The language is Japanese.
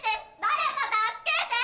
誰か助けて！